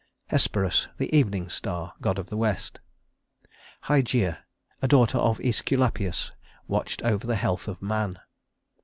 Hesperus, the evening star, god of the west. Hygeia, a daughter of Æsculapius, watched over the health of man.